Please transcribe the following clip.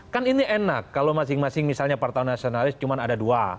kan ini enak kalau masing masing misalnya partai nasionalis cuma ada dua